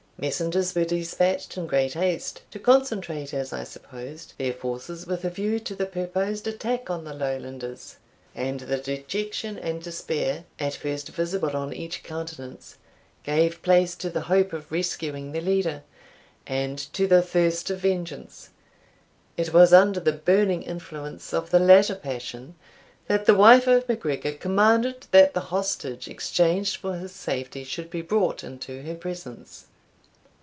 Messengers were despatched in great haste, to concentrate, as I supposed, their forces, with a view to the purposed attack on the Lowlanders; and the dejection and despair, at first visible on each countenance, gave place to the hope of rescuing their leader, and to the thirst of vengeance. It was under the burning influence of the latter passion that the wife of MacGregor commanded that the hostage exchanged for his safety should be brought into her presence.